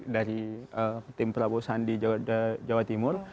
di tim prabowo sandi di jawa timur